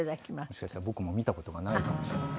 もしかしたら僕も見た事がないかも。